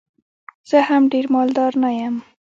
زه هم ډېر مالدار نه یم.